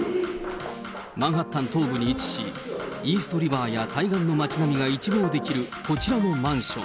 マンハッタン東部に位置し、イーストリバーや対岸の街並みが一望できるこちらのマンション。